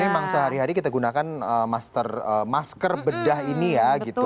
jadi memang sehari hari kita gunakan masker bedah ini ya